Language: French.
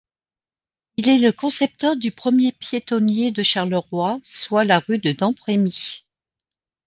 Il est le concepteur du premier piétonnier de Charleroi, soit la rue de Dampremy.